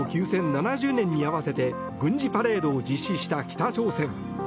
７０年に合わせて軍事パレードを実施した北朝鮮。